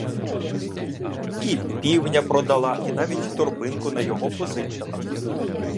І півня продала, і навіть торбинку на його позичила.